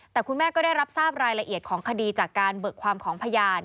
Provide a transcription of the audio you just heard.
แต่คุณแม่ก็ได้รับทราบรายละเอียดของคดีจากการเบิกความของพยาน